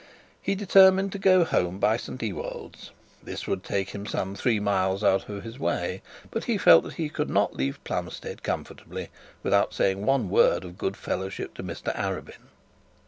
He determined to go home by St Ewold's. This would take him some three miles out of his way; but he felt that he could not leave Plumstead comfortably without saying one word of good fellowship to Mr Arabin.